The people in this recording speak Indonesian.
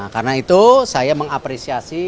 karena itu saya mengapresiasi